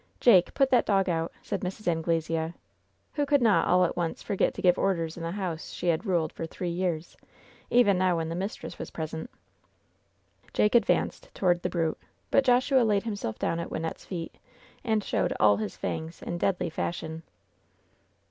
"Jake, put that dog out," said Mrs. Anglesea, who could not all at once forget to give orders in the house she had ruled for three years, even now when the mis tress was present. Jake advanced toward the brute, but Joshua laid him self down at Wynnette's feet and showed all his fangs in deadly fashion.